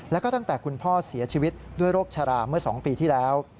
แล้วก็ตั้งแต่คุณพ่อเสียชีวิตด้วยโรคชะลาเมื่อ๒ปีที่แล้ว